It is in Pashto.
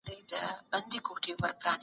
تکړه